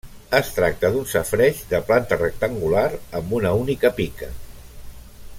Es tracta d'un safareig de planta rectangular amb una única pica.